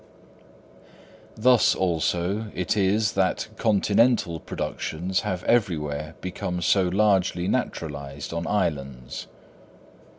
Thus, also, it is that continental productions have everywhere become so largely naturalised on islands.